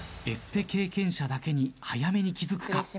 エステ経験者だけに早めに気付くか？